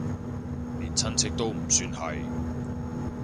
連親戚都唔算係